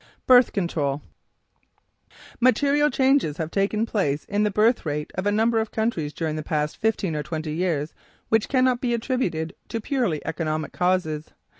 BIRTH CONTROL Material changes have taken place in the birth rate of a number of countries during the past fifteen or twenty years which cannot be attributed to purely economic causes.